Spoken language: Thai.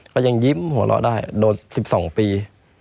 ก็ยังยิ้มหัวเราะได้โดน๑๒ปี